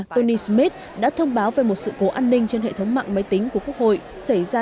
tony smith đã thông báo về một sự cố an ninh trên hệ thống mạng máy tính của quốc hội xảy ra